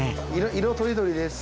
色とりどりです。